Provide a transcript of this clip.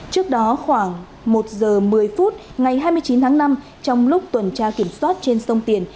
trước đó khoảng một giờ một mươi phút ngày hai mươi chín tháng năm trong lúc tuần tra kiểm soát trên sông tiền